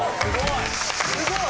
すごい！